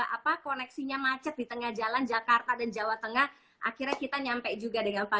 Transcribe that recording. apa koneksinya macet di tengah jalan jakarta dan jawa tengah akhirnya kita nyampe juga dengan pak